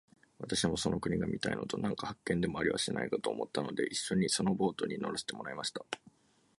私もその国が見たいのと、何か発見でもありはしないかと思ったので、一しょにそのボートに乗せてもらいました。